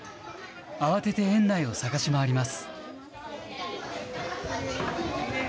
慌てて園内を探し回ります。